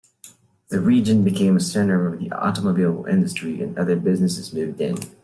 The region became a centre of the automobile industry, and other businesses moved in.